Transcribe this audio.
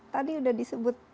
tadi udah disebut